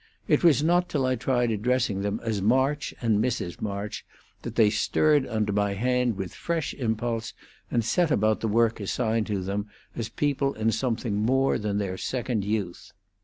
It was not till I tried addressing them as March and Mrs. March that they stirred under my hand with fresh impulse, and set about the work assigned them as people in something more than their second youth.